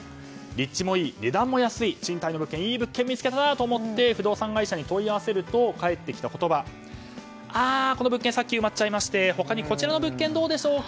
立地もいい値段も安い賃貸のいい物件を見つけたなと思って不動産会社に問い合わせると返ってきた言葉はああ、この物件さっき埋まっちゃいましてありそう。